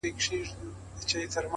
زما د ميني جنډه پورته ښه ده-